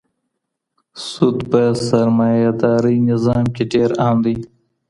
سود په سرمایه دارۍ نظام کي ډېر عام دی.